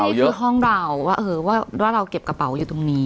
นี่คือห้องเราว่าเราเก็บกระเป๋าอยู่ตรงนี้